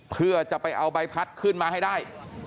เพื่อจะไปเอาใบพัดขึ้นมาให้ได้